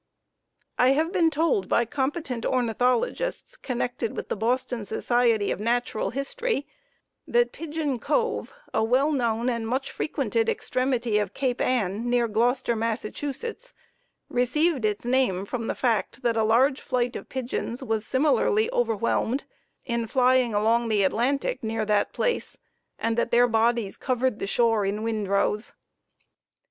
I have been told by competent ornithologists connected with the Boston Society of Natural History that Pigeon Cove, a well known and much frequented extremity of Cape Ann, near Gloucester, Mass., received its name from the fact that a large flight of pigeons was similarly overwhelmed in flying along the Atlantic near that place, and that their bodies covered the shore in "windrows."